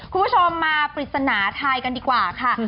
คุณผู้ชมมาปริศนาไทยกันดีกว่าค่ะ